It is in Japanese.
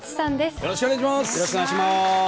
よろしくお願いします。